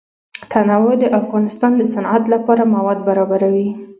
تنوع د افغانستان د صنعت لپاره مواد برابروي.